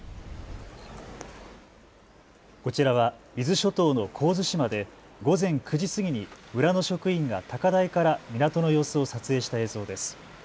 こちらは伊豆諸島の神津島で午前９時過ぎに村の職員が高台から港の様子を撮影した映像です。